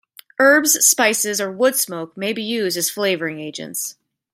Herbs, spices, or wood smoke may be used as flavoring agents.